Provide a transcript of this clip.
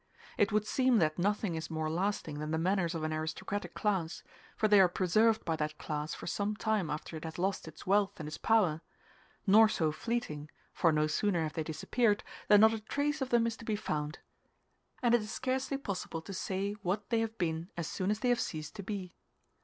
It would seem that nothing is more lasting than the manners of an aristocratic class, for they are preserved by that class for some time after it has lost its wealth and its power nor so fleeting, for no sooner have they disappeared than not a trace of them is to be found; and it is scarcely possible to say what they have been as soon as they have ceased to be.